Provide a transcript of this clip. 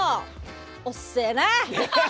おっせえな！